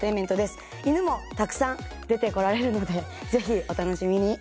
犬もたくさん出てこられるのでぜひお楽しみに！